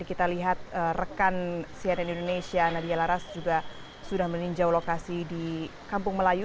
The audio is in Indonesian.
kita lihat rekan cnn indonesia nadia laras juga sudah meninjau lokasi di kampung melayu